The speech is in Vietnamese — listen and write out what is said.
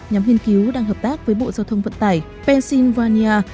nhóm nghiên cứu đang hợp tác với bộ giao thông vận tải pennsylvania